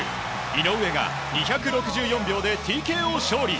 井上が、２６４秒でＴＫＯ勝利。